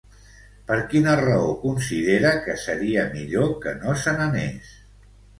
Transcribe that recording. Per quina raó considera que seria millor que no se n'anés?